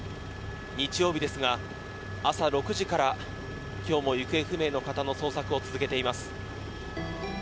日曜日ですが朝６時から今日も行方不明の方の捜索を続けています。